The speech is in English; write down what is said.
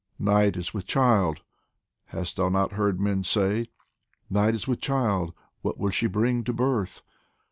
Night is with child, hast thou not heard men say ?" Night is with child ! what will she bring to birth